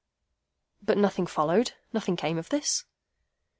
"But nothing followed? Nothing came of this?"